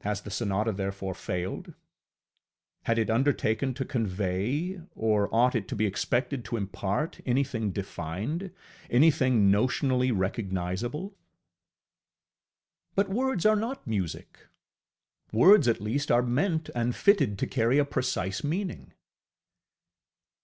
Has the sonata therefore failed? Had it undertaken to convey, or ought it to be expected to impart anything defined, anything notionally recognizable? ŌĆ£But words are not music; words at least are meant and fitted to carry a precise meaning!